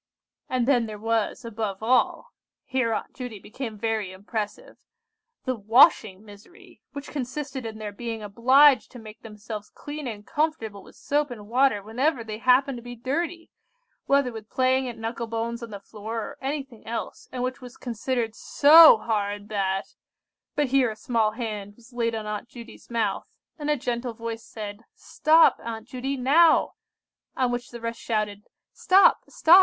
"And then there was—above all—" here Aunt Judy became very impressive, "the washing misery, which consisted in their being obliged to make themselves clean and comfortable with soap and water whenever they happened to be dirty, whether with playing at knuckle bones on the floor, or anything else, and which was considered so hard that—" But here a small hand was laid on Aunt Judy's mouth, and a gentle voice said, "Stop, Aunt Judy, now!" on which the rest shouted, "Stop! stop!